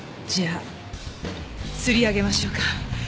じゃあ釣り上げましょうか。